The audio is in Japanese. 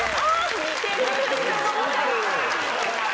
似てる。